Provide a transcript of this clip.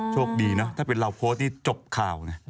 โชคดีนะถ้าเป็นเราโพสต์นี่จบข่าวนะ